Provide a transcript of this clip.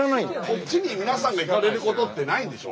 こっちに皆さんが行かれることってないんでしょ？